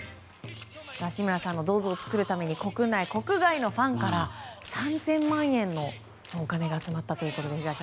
志村さんの銅像を作るために国内、国外のファンから３０００万円のお金が集まったということですよ